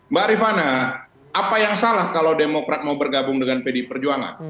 mbak rifana apa yang salah kalau demokrat mau bergabung dengan pdi perjuangan